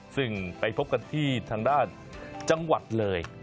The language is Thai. ซึ่งไปพบกันที่ทางด้านจังหวัดเลย